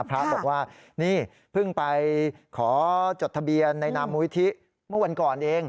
พระบอกว่านี่เพิ่งไปขอจดทะเบียนในนามมูลิธิเมื่อวันก่อนเอง